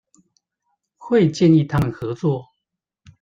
會建議他們合作